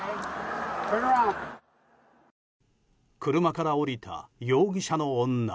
車から降りた容疑者の女。